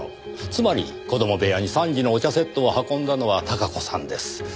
つまり子供部屋に３時のお茶セットを運んだのは孝子さんです。